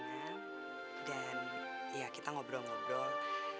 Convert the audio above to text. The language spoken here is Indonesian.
aku pernah ketemu sama rumana dan ya kita ngobrol ngobrol